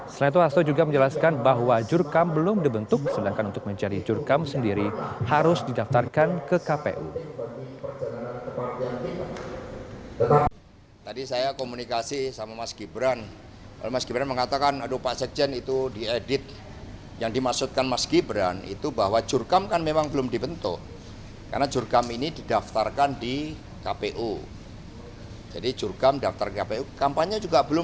selain itu hasto juga menjelaskan bahwa jurukamp belum dibentuk sedangkan untuk mencari jurukamp sendiri harus didaftarkan ke kpu